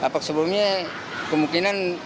pak sebelumnya kemungkinan